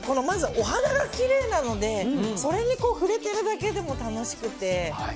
まず、お花がきれいなのでそれに触れているだけでも楽しくて。